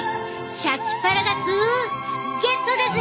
シャキパラガスゲットだぜ！